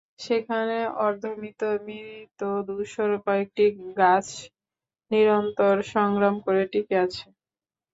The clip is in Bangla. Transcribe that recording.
সেখানে অর্ধমৃত, মৃত, ধূসর কয়েকটি গাছ নিরন্তর সংগ্রাম করে টিকে আছে।